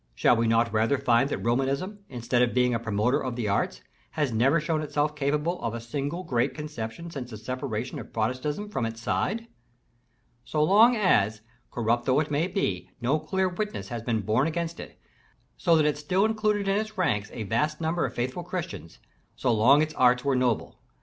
Shall we not rather find that Romanism, instead of being a promoter of the arts, has never shown itself capable of a single great conception since the separation of Protestantism from its side? So long as, corrupt though it might be, no clear witness had been borne against it, so that it still included in its ranks a vast number of faithful Christians, so long its arts were noble.